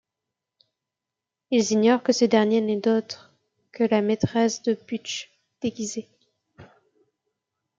Ils ignorent que ce dernier n'est autre que la maîtresse de Butch, déguisée.